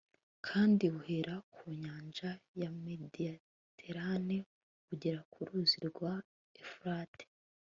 kandi buhera ku nyanja ya mediterane bugera ku ruzi rwa efurate